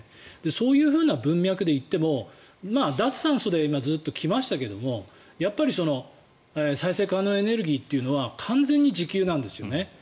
そういうふうな文脈で言ってもまあ、脱炭素でずっと来ましたがやっぱり再生可能エネルギーというのは完全に自給なんですよね。